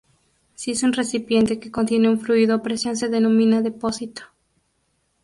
Si es un recipiente que contiene un fluido a presión se denomina depósito.